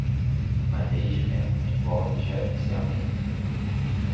Management envolve gerenciamento.